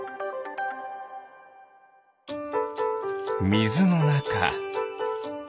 みずのなか。